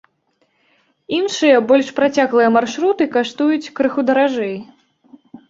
Іншыя, больш працяглыя маршруты каштуюць крыху даражэй.